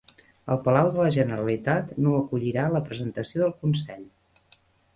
El Palau de la Generalitat no acollirà la presentació del Consell